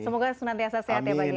semoga senantiasa sehat ya pak kiai ya